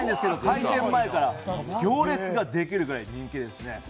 開店前から行列ができるぐらい人気ですね。